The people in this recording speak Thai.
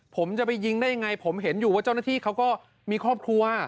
ผมจะไปยิงได้ยังไงผมเห็นอยู่ว่าเจ้าหน้าที่เขาก็มีครอบครัว